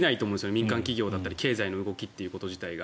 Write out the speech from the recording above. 民間企業の動きや経済の動きということ自体が。